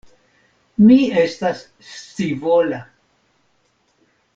Mi estas scivola.